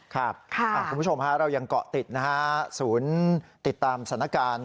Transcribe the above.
คุณผู้ชมเรายังเกาะติดนะฮะศูนย์ติดตามสถานการณ์